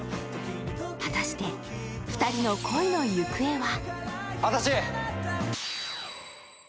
果たして２人の恋の行方は？